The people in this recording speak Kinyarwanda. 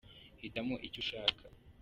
hitamo icyo ushaka.